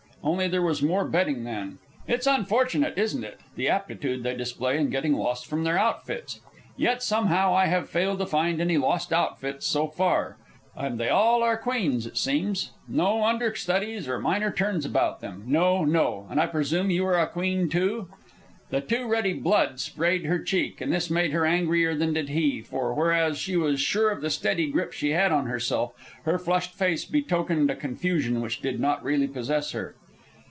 Only there was more bedding then. It's unfortunate, isn't it, the aptitude they display in getting lost from their outfits? Yet somehow I have failed to find any lost outfits so far. And they are all queens, it seems. No under studies or minor turns about them, no, no. And I presume you are a queen, too?" The too ready blood sprayed her cheek, and this made her angrier than did he; for whereas she was sure of the steady grip she had on herself, her flushed face betokened a confusion which did not really possess her.